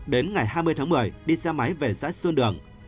đến ngày hai mươi tháng một mươi đi xe máy về xã xuân đường